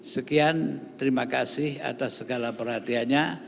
sekian terima kasih atas segala perhatiannya